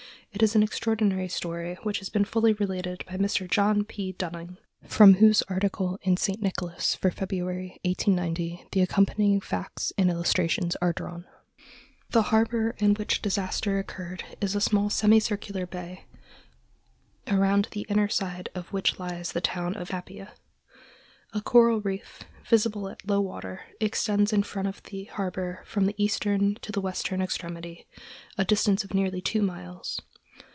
It is an extraordinary story, which has been fully related by Mr. John P. Dunning, from whose article in "St. Nicholas" for February, 1890, the accompanying facts and illustrations are drawn. [Illustration: THE "CALLIOPE" ESCAPING FROM APIA HARBOR.] The harbor in which the disaster occurred is a small semicircular bay, around the inner side of which lies the town of Apia. A coral reef, visible at low water, extends in front of the harbor from the eastern to the western extremity, a distance of nearly two miles.